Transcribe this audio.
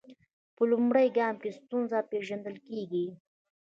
په لومړي ګام کې ستونزه پیژندل کیږي.